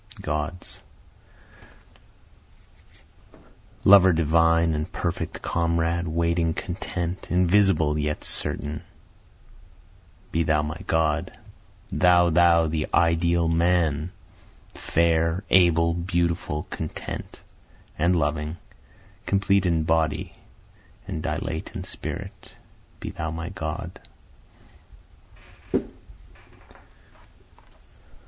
Gods Lover divine and perfect Comrade, Waiting content, invisible yet, but certain, Be thou my God. Thou, thou, the Ideal Man, Fair, able, beautiful, content, and loving, Complete in body and dilate in spirit, Be thou my God.